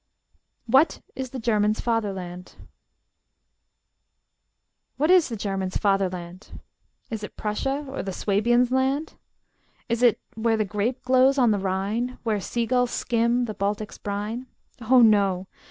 WHAT IS THE GERMAN'S FATHERLAND? What is the German's fatherland? Is it Prussia, or the Swabian's land? Is it where the grape glows on the Rhine? Where sea gulls skim the Baltic's brine? Oh no!